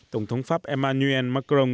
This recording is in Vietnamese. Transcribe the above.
tổng thống pháp emmanuel macron